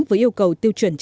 với yêu cầu tiêu chuẩn trồng